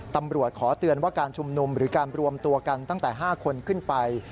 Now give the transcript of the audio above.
ตำรวจขอเตือนว่าการชุมนุมหรือการรวมตัวกันตั้งแต่๕คนขึ้นไป